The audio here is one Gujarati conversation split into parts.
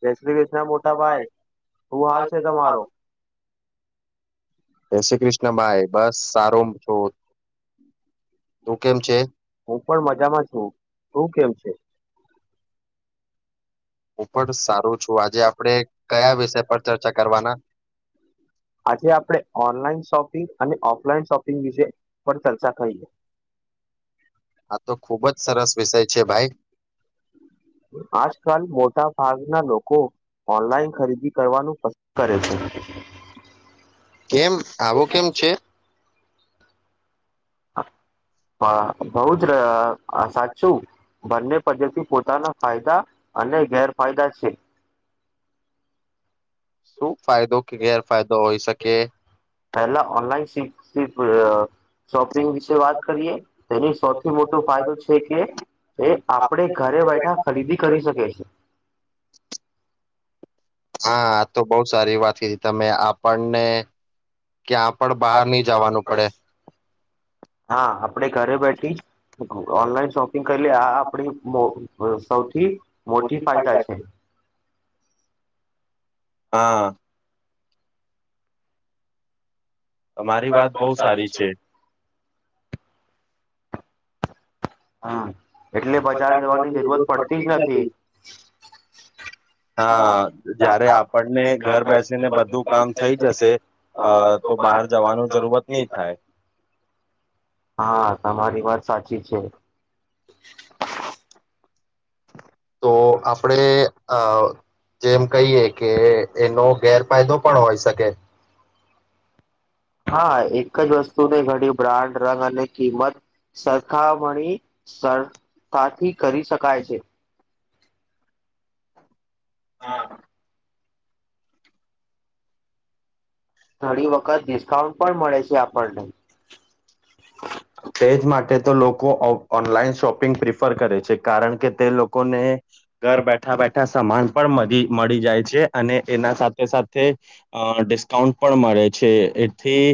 જય શ્રી કૃષ્ણ જય મોટા ભાઈ. શું હાલ છે તમારો? જય શ્રી કૃષ્ણભાઈ. બસ સારો છું. તું એ કેમ છે. પણ મજામાં છું. તું કેમ છે? હું પણ સારું છું. આજે આપડે કયા વિષય પર ચર્ચા કરવાના. આજે આપણે ઓનલાઈન શોપિંગ અને ઓફલાઈન શોપિંગ વિશે પર ચર્ચા કરીશું. [inaudible] ખૂબ જ સરસ છે. કેમ છો ભાઈ. આજકાલ મોટા ભાગના લોકો ઓનલાઈન ખરીદી કરવાનું પસંદ કરે છે. કેમ આવું કેમ છે? હા. હ બઉ જ સાચું બંને પદ્ધતિ પોતાના ફાયદા અને ગેરફાયદા છે. શું ફાયદો કે ગેરફાયદો હોઈ શકે. પહેલા ઓનલાઈન શિક શોપિંગ વિશે વાત કરીએ. તેની સૌથી મોટો ફાયદો છે કે એ હા આપણેે ઘરે બેઠા ખરીદી કરી શકી છે. હા, આ તો બહુ સારી વાત કીધી તમે આપણને ક્યાં પણ બહાર નહી જાવાનું પડે હા આપડે ઘરે બેઠી ઓનલાઈન શોપિંગ કરીલી આ આપડી અહહ સૌથી મોટી ફાયદા છે. [inaudible] હા તમારી વાત બહુ સારી છે. હમ એટલે બજાર જવાની જરૂરત પડતી જ નથી હા જયારે આપણને ઘર બેસીને બધું કામ થઈ જશે અ તો બહાર જવાનું જરૂરત નહી થાય હા તમારી વાત સાચી છે. તો આપણે અ જેમ કહીએ કે એનો ગેરફાયદો પણ હોય શકે હા એક જ વસ્તુને ઘણી બ્રાન્ડ રંગ અને કિંમત સરકાર સરખામણી કરી સરતાથી કરી શકાય છે. હા થોડી વખત ડિસ્કાઉન્ટ પણ મળે છે આપણને તે જ માટે તો લોકો ઓ ઓનલાઈન શોપિંગ પ્રિફર કરે છે કારણ કે તે લોકોને ઘર બેઠા બેઠા સમાન પણ મળી મળી જાય છે અને એના સાથે સાથે અ ડિસ્કાઉન્ટ પણ મળે છે એથી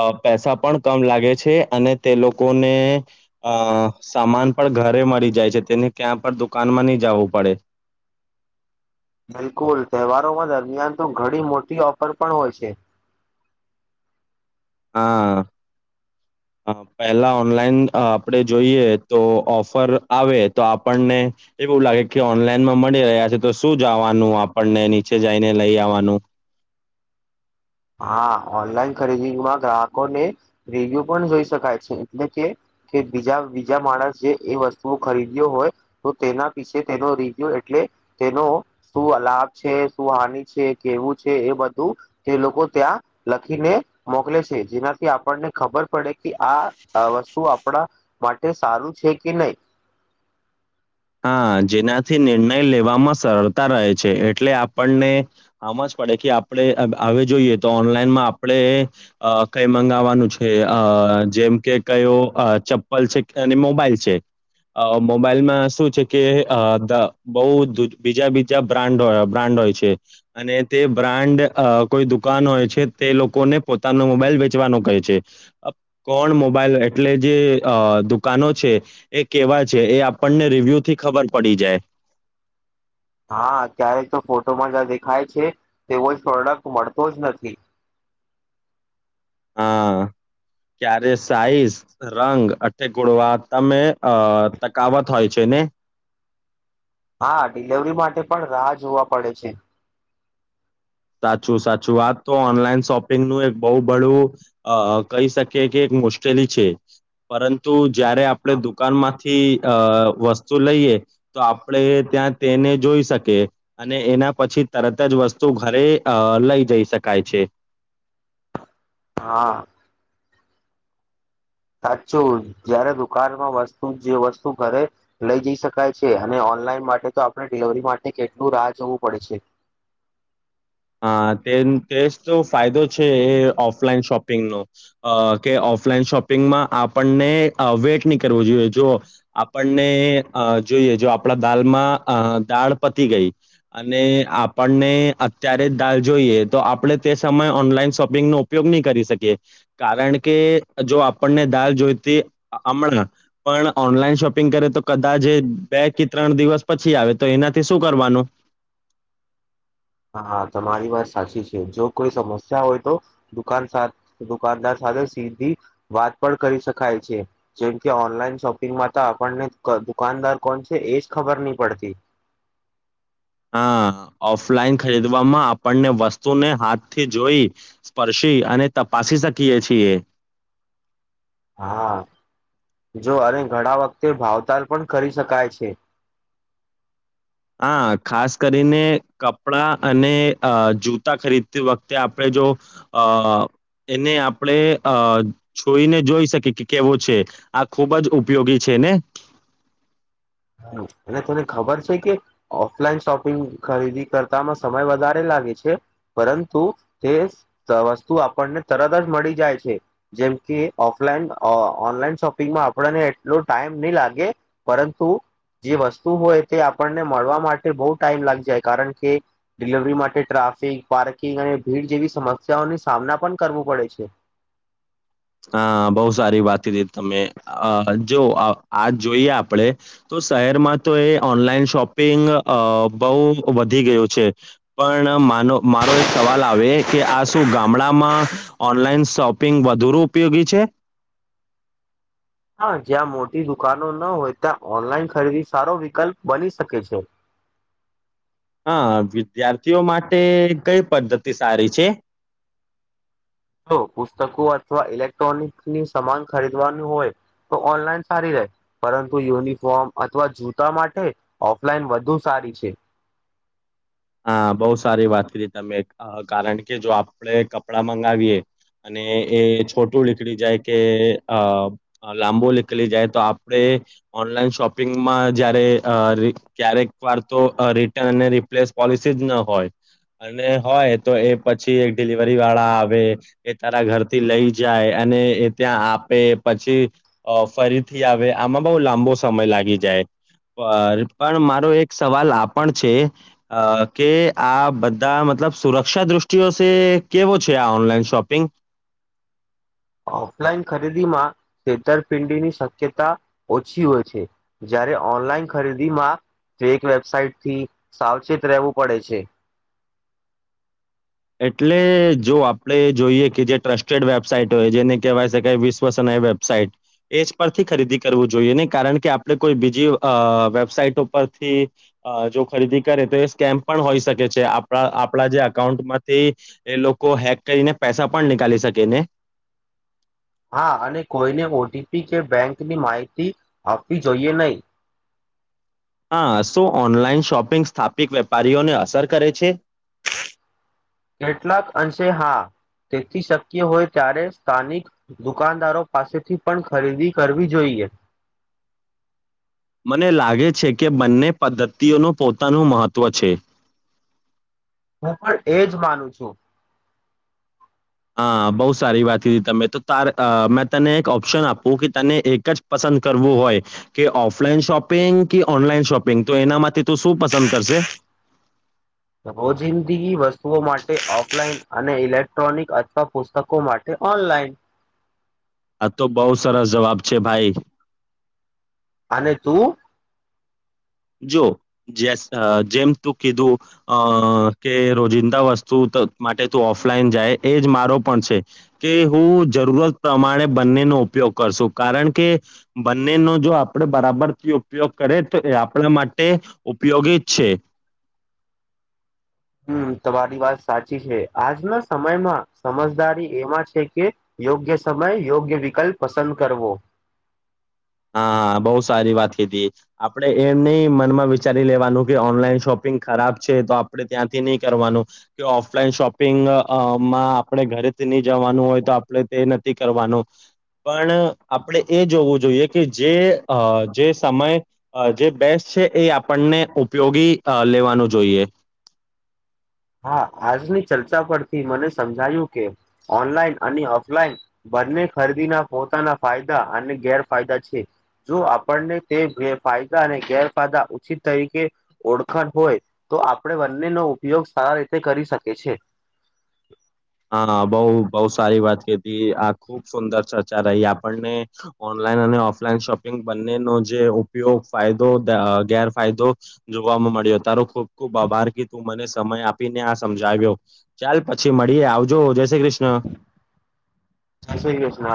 અહહ પૈસા પણ કમ લાગે છે અને તે લોકોને અહહ સામાન પણ ઘરે મળી જાય છે તેને ક્યાં પણ દુકાનમાં ની જવું પડે [inaudible] બિલકુલ તહેવારોમાં દરમિયાન તો ઘણી મોટી ઓફર પણ હોય છે. [inaudible] હા [inaudible] પહેલા ઓનલાઈન આપણેે જોઈએ તો ઓફર આવે તો આપણને એવું લાગે કે ઓનલાઈનમાં મળી રહ્યા છે તો શું જવાનું આપણને નીચે જઈને લઈ આવવાનું [inaudible] હા ઓનલાઈન ખરીદીમાં ગ્રાહકોને રિવ્યુ પણ જોઈ શકાય છે એટલે કે કે બીજા બીજા માણસ જે એ વસ્તુઓ ખરીદ્યો હોય તો તેના પીસે તેનો રિવ્યુ એટ તેનો શું લાભ છે શું હાનિ છે કેવું છે એ બધું તે લોકો ત્યાં લખીને મોકલે છે જેનાથી આપણને ખબર પડે કે આ વસ્તુ આપ માટે સારું છે કે નહી હા જેનાથી નિર્ણય લેવામાં સરળતા રહે છે એટલે આપણને આમજ પડે કે આપણે હ હવે જોઈએ તો ઓનલાઈનમાં આપણે અહહ કઈ મંગાવવાનું છે અહહ અહહ જેમ કે કયો ચપ્પલ છે અને મોબાઈલ છે અહહ મોબાઈલ માં શું કે બ બીજા બીજા બ્રન્ બ્રાન્ડ હોય છે અને તે બ્રાન્ડ અહહ કોઈ દુકાન હોય છે તે લોકોને પોતાનો મોબાઈલ વેચવાનો કહે છે. કોણ મોબાઈલ એટલે જે અહહ દુકાનો છે એ કેવા છે એ આપણને રિવ્યુ થી ખબર પડી જાય હા કયારેક તો ફોટોમાં જ દેખાય છે તોવો જ પ્રોડક્ટ મળતો જ નથી [inaudible] હા ક્યારે સાઈઝ રંગ ગુણવત્તામાં હતા અ તકાવત હોય છે. મે હા ડીલેવરી માટે પણ રાહ જોવા પડે છે. સાચું સાચું વાત તો ઓનલાઈન શોપિંગનું એક બહુ બળું અ કહી શકીએ કે મુશ્કેલી છે પરંતુ જયારે આપણે દુકાન માંથી અહહ વસ્તુ લઈએ તો આપણે ત્યાં તેને જોઈ શકીએ અને એના પછી તરત જ વસ્તુ ઘરે લઈ જઈ શકાય છે હા સાચું જયારે દુકાનમાં વસ્તુ જે વસ્તુ ઘરે લઈ જઈ શકાય છે અને ઓનલાઈન માટે તો આપણે ડિલિવરી માટે કેટલું રાહ જોવું પડે છે હા તે તેજ તો ફાયદો છે એ ઓફલાઈન શોપિંગનો કે ઓફલાઈન શોપિંગમાં આપણને વેઇટ નહી કરવો જોઈએ જો આપણને આપણા દાલમાં દાળ પતી ગઈ અને આપણને ત્યારે જ દાલ જોઈએ તો આપણે તે સમયે ઓનલાઈન શોપિંગ નો ઉપયોગ નહી કરી શકીએ કારણ કે જો આપણને દાલ જોઈતી હમણાં પણ ઓનલાઈન શોપિંગ કરે તો કદાચ બે કે ત્રણ દિવસ પછી આવે તો એનાથી શું કરવાનું [inaudible] હા તમારી વાત સાચી છે જો કોઈ સમસ્યા હોય તો દુકાન દુકાનદાર સાથે વાત પણ કરી શકાય છે જેમ કે ઓનલાઈન શોપિંગમાં તો આપણને દુકાન દાર કોણ છે એ જ ખબર નહીં પડતી હા ઓફલાઈન ખરીદવામાં આપણને વસ્તુને હાથથી જોઈ સ્પર્શ અને તપાસી શકીએ છીએ એ હા જો અને ઘણા વખતે ભાવતાલ પણ કરી શકાય છે હા ખાસ કરીને કપડાં અને જૂતા ખરીદતી વખતે આપણે જો આ એને આપણે અ જોઈને જોઈ શકીએ કે કેવો છે આ ખુબ જ ઉપયોગી છે ને [inaudible] અને તને ખબર છે કે ઓફલાઈન શોપિંગ ખરીદી કરતામાં સમય વધારે લાગે છે પરંતુ તે વસ્તુ આપણને તરત જ મળી જાય છે જેમ કે ઓફલાન ઓનલાઈન શોપિંગમાં આપણને એટલો ટાઈમ નહી લાગે પરંતુ જે વસ્તુ હોય તે આપણને મળવા માટે બહુ ટાઈમ લાગી જાય કારણ કે ડિલવરી માટે ટ્રા ટ્રાફિક પાર્કિંગ અને ભીડ જેવી સમસ્યાઓની સામના પણ કરવું પડે છે હા બહુ સારી વાત હતીી તમે જો આ જોઈએ આપણેે તો શહેરમાં તો એ ઓનલાઈન શોપિંગ બહુ વધી ગયું છે પણ મારો એક સવાલ આવે કે આ શું ગામડામાં ઓનલાઈન શોપિંગુ ઉપયોગી છે હા જ્યાં મોટી દુકાનો ન હોય ત્યાં ઓનલાઈન ખરીદી સારો વિકલ્પ બની શકે છે [inaudible] હા વિદ્યાર્થીઓ માટે કઈ પદ્ધતિ સારી છે જો પુસ્તકો અથવા ઇલેક્ટ્રોનિકની સમાન ખરીદવાનું હોય તો ઓનલાઈન સારી રહે પરંતુ યુનિફોર્મ અથવા જૂતા માટે ઓફલાઈન વધુ સારી છે હા બહુ સારી વાત કરી તમે કારણ કે જો આપણેે કપડાં મંગાવીએ અને એ છોટું નીકળી જાય કે અ લાંબુ નીકળી જાય તો આપણે શોપિંગમાં જારે ક્યારેક વાર તો રિટર્ન અને રિપ્લેસ પોલિસી જ ન હોય અને હોય તો એ પછી એક ડિલિવરી વાળા આવે એ તારા ઘરથી લઈ જાય અને એ ત્યાં આપે પછી ફરીથી આવે આમાં બ બ લાંબો સમય લાગી જાય પણ મારો એક સવાલ આપણ છે અ કે આ બધા મતલબ સુરક્ષા દ્રષ્ટિઓ છે કેવો છે આ ઓનલાઈન શોપિંગ [inaudible] [inaudible] ઓફલાઈન ખરીદીમાં છેતરપિંડીની શક્યતા ઓછી હોય છે જ ઓનલાઈન ખરીદી માં તે એક વેબસાાઈટથી સાવચેત રહેવું પડે છે એટલે જો આપણે જોઈએ કે જે ટ્રસ્ટેડ વેબસાઇટ હોય જેને કહેવાય છે કે વિશ્વસનય વેબસાઇટ એજ પરથી ખરીદી કરવું જોઈએ નહીં કારણ કે આપણે કોઈ બીજી અ વેબસાઇટર પરથી જો ખરીદી કરે તો એ સ્કેમ પણ હોઈ શકે છે આપણા આપણા જે અકાઉન્ટમાં થી એ લોકો હેક કરીને પૈસા પણ નિકાળી શકે ને હા અને કોઈને ઓટીપી કે બેંકની માહિતી આપવી જોઈએ નહી હા શું ઓનલાઈન શોપિંગ સ્થાપિત વેપારીઓને અસર કરે છે કેટલાક અંશે હા તેથી શક્ય હોય ત્યારે સ્થાનિક દુકાનદારો પાસેથી પણ ખરીદી કરવી જોઈએ [inaudible] મને લાગે છે કે બંને પદ્ધતિઓનું પોતાનું મહત્ત્વ છે હું પણ એજ માનું છું હા બહુ સારી વાત કીધી તમે તો તાર મેં તને એક ઓપ્શન આપું કે તને એક જ પસંદ કરવું હોય કે ઓફલાઈન શોપિંગ કે ઓનલાઈન શોપિંગ તો એના માટે તું શું પસંદ કરશે [inaudible] રોજિંદગી વસ્તુઓ માટે ઓફલાઈન અને ઇલેક્ટ્રોનિક અથવા પુસ્તકો માટે ઓનલાઈન આ તો બહુ સરસ જવાબ છે ભાઈ અને તું જો જે જેમ તું કીધું અ કે રોજિંદા વસ્તુ તો માટે તું ઓફલાઈન જાય એ જ મારો પણ છે કે હું જરૂરત પ્રમાણે બંનેનો ઉપયોગ કરશું કારણ કે બંને નો જો આપણે બરાબરથી ઉપયોગ કરે તો આપણા માટે ઉપયોગી છે હમ તમારી વાત સાચી છે આજના સમયમાં સમજદારી એમાં છે કે યોગ્ય સમય યોગ્ય વિકલ્પ પસંદ કરવો હા બહુ સારી વાત કીધી આપણે એમ નહી મનમાં વિચારી લેવાનું કે ઓનલાઈન શોપ ખરાબ છે તો આપણે ત્યાંથી નહી કરવાનું ઓફલાઈન શોપિંગમાં આપણે જવાનું હોય તો આપણે તે નથી કરવાનું પણ આપણેે એ જોવું જોઈએ કે જે અ સમય જે બેસ્ટ છે એ આપણને ઉપયોગી લેવાનું જોઈએ [inaudible] હા આજની ચર્ચા પરથી મને સમજાયું કે ઓનલાઈન અને ઓફલાઈન બંને ખરીદીના પોતાના ફાયદા અને ગેરફાયદા છે જો આપણને તે ફાયદા અને ગેરફાયદા ઉછિત તરીકે ઓળખણ હોય તો આપણે બંને નો ઉપયોગ સારા રીતે કરી શકે છે હા બહુ બહુ સારી વાત કયતી આ ખુબ સુંદર ચર્ચા રહી આપણને ઓન ઓનલાઇન ઓફલાઈન શોપિંગ બંને નો જે ઉપયોગ ફાયદો ગેરફાયદો જોવા મળ્યો તારો ખૂબ ખૂબ આભાર ક તું મને સમય આપીને આ સમજાવ્યો ત્યાર પછી એ આવજો જય શ્રી કૃષ્ણ જય શ્રી કૃષ્ણ